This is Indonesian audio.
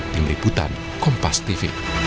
tim liputan kompas tv